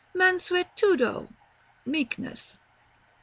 Mansuetudo. Meekness.